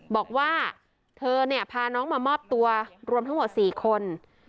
บอกว่าเธอเนี่ยพาน้องมามอบตัวรวมทั้งหมด๔คน